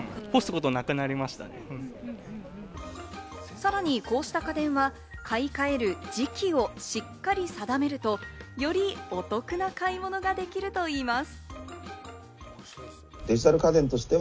さらに、こうした家電は買い換える時期をしっかり定めると、より、お得な買い物ができるといいます。